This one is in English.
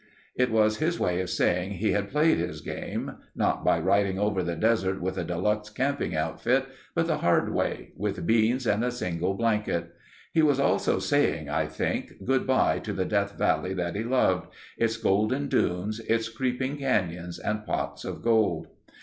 '" It was his way of saying he had played his game—not by riding over the desert with a deluxe camping outfit, but the hard way—with beans and a single blanket. He was also saying, I think, goodbye to the Death Valley that he loved; its golden dunes, its creeping canyons and pots of gold.